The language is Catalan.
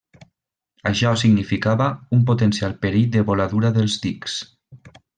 Això significava un potencial perill de voladura dels dics.